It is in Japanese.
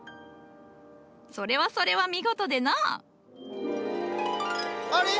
それはそれは見事でのう。